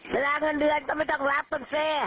เวลาเงินเดือนก็ไม่ต้องรับบุฟเฟ่